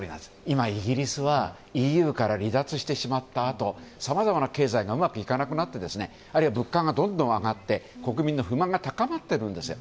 今イギリスはＥＵから離脱してしまったあとさまざまな経済がうまくいかなくなってあるいは物価がどんどん上がって国民の不満が高まっているんですよ。